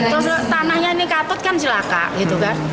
terus tanahnya ini katut kan silaka gitu kan